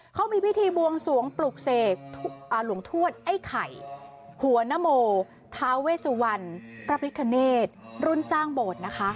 เขามีมีพิธีบวงสวงปลุกเสกหลวงทวดไอไข่หัวนโมทาเวซุวัลประพริกเนธรุ่นทรงบด